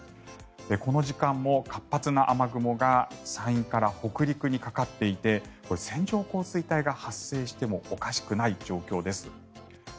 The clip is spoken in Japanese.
この時間も活発な雨雲が山陰から北陸にかかっていて線状降水帯が発生してもおかしくない状況です。